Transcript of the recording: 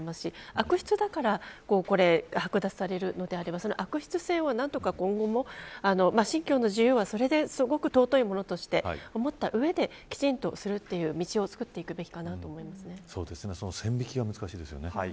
悪質だからはく奪されるのであればその悪質性を、何とか今後も、信教の自由はそれですごく尊いものとして持った上できちんとするという道をその線引きが難しいですよね。